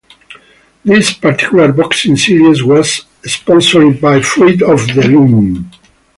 This particular boxing series was sponsored by Fruit of the Loom.